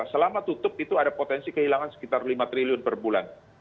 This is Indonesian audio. selama tutup itu ada potensi kehilangan sekitar lima triliun per bulan